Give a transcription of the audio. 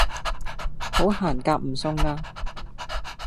好行夾唔送啦